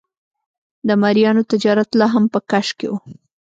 د مریانو تجارت لا هم په کش کې و.